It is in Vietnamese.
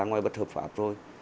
ngoài bất hợp pháp rồi